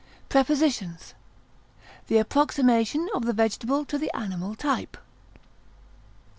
Prepositions: The approximation of the vegetable to the animal type.